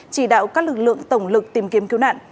chỉ đạo các lực lượng tổng lực tìm kiếm cứu nạn